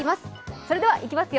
それではいきますよ。